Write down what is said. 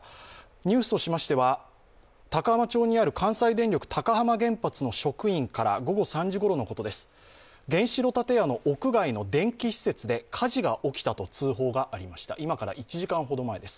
ニュースとしましては高浜町にある高浜原発の職員から午後３時ごろ、原子炉建屋の屋外の電気施設で火事が起きたと通報がありました、今から１時間ほど前です。